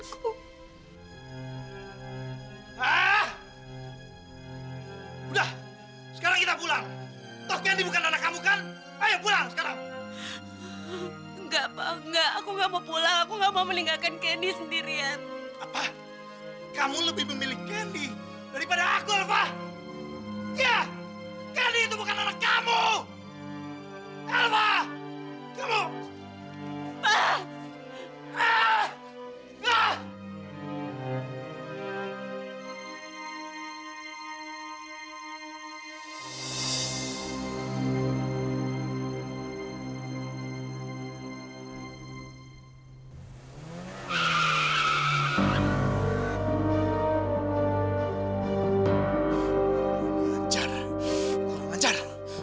kurang menjar kurang menjar